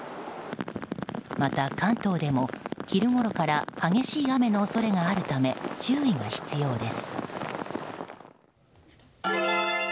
また、関東でも昼ごろから激しい雨の恐れがあるため注意が必要です。